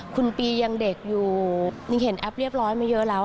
คุณปียังเด็กอยู่นิ่งเห็นแอปเรียบร้อยมาเยอะแล้ว